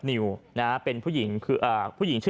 ก็ได้พลังเท่าไหร่ครับ